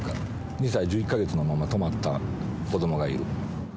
２歳１１か月のまま止まった子どもがいる。